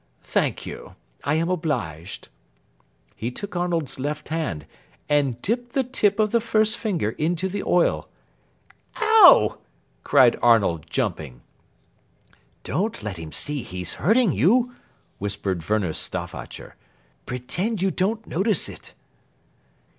Thank you. I am obliged." He took Arnold's left hand, and dipped the tip of the first finger into the oil. "Ow!" cried Arnold, jumping. "Don't let him see he's hurting you," whispered Werner Stauffacher. "Pretend you don't notice it."